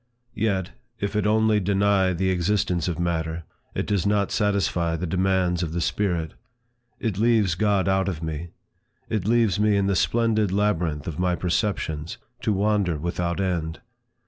Yet, if it only deny the existence of matter, it does not satisfy the demands of the spirit. It leaves God out of me. It leaves me in the splendid labyrinth of my perceptions, to wander without end.